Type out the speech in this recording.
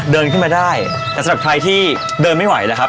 เดินขึ้นมาได้แต่สำหรับใครที่เดินไม่ไหวแล้วครับ